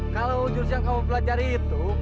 kalau jurus yang kamu pelajari itu